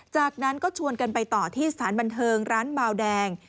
จากนั้นก็ชวนกันไปต่อที่สถานบันเทิงร้านเบาแดง